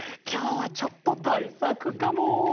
きょうはちょっとたいさくかも！